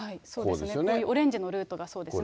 オレンジのルートがそうですね。